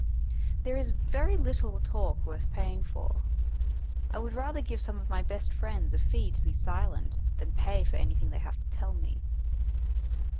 There is very little talk worth paying for. I would rather give some of my best friends a fee to be silent, than pay for anything they have to tell me.